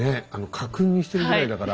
家訓にしてるぐらいだから。